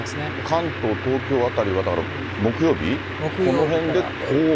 関東、東京辺りは、だから木曜日、この辺でこう。